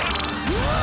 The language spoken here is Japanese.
うわ！